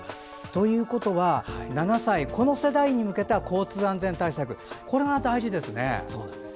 ということは７歳、この世代に向けた交通安全対策が大事ですね。